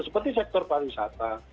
seperti sektor pariwisata